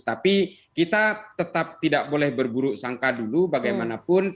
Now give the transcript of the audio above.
tapi kita tetap tidak boleh berburuk sangka dulu bagaimanapun